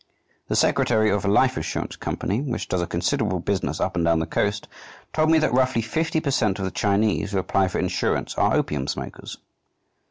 The secretary of a life insurance company which does a considerable business up and down the coast told me that, roughly, fifty per cent of the Chinese who apply for insurance are opium smokers.